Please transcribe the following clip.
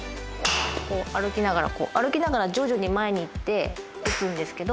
こう歩きながら歩きながら徐々に前に行って打つんですけど。